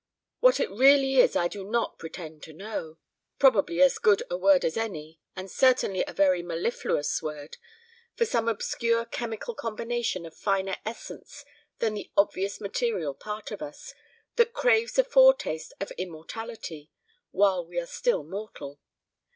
What it really is I do not pretend to know. Probably as good a word as any and certainly a very mellifluous word for some obscure chemical combination of finer essence than the obvious material part of us, that craves a foretaste of immortality while we are still mortal.